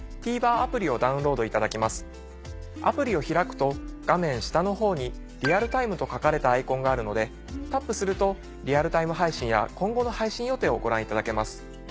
アプリを開くと画面下のほうに「リアルタイム」と書かれたアイコンがあるのでタップするとリアルタイム配信や今後の配信予定をご覧いただけます。